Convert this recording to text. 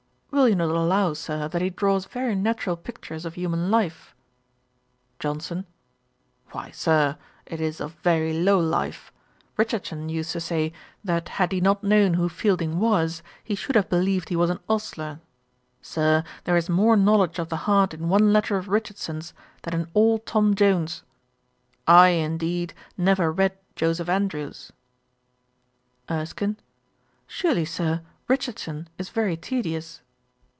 'Will you not allow, Sir, that he draws very natural pictures of human life?' JOHNSON. 'Why, Sir, it is of very low life. Richardson used to say, that had he not known who Fielding was, he should have believed he was an ostler. Sir, there is more knowledge of the heart in one letter of Richardson's, than in all Tom Jones. I, indeed, never read Joseph Andrews.' ERSKINE, 'Surely, Sir, Richardson is very tedious.'